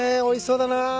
おいしそうだな。